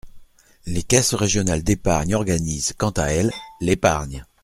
Les caisses régionales d’épargne organisent, quant à elles, l’épargne.